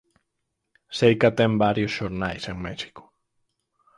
_Seica ten varios xornais en México.